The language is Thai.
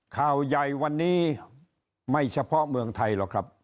ข่าวใหญ่วันนี้ไม่เฉพาะเมืองไทยหรอกครับ